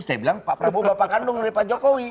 saya bilang pak prabowo bapak kandung dari pak jokowi